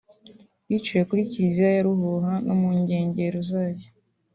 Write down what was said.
biciwe kuri Kiliziya ya Ruhuha no mu nkengero zayo